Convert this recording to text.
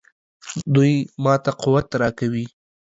دوی ماته قوت راکوي.